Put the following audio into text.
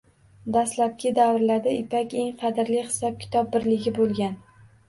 Dastlabki davrida ipak eng qadrli hisob-kitob birligi boʻlgan.